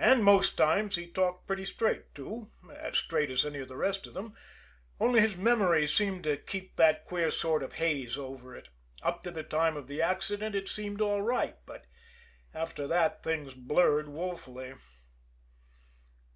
And most times he talked pretty straight, too as straight as any of the rest of them only his memory seemed to keep that queer sort of haze over it up to the time of the accident it seemed all right, but after that things blurred woefully.